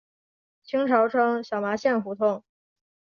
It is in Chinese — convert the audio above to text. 清朝称小麻线胡同。